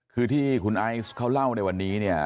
คือที่คุณไอซ์เขาเล่าในวันนี้เนี่ย